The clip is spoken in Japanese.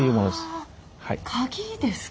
あ鍵ですか？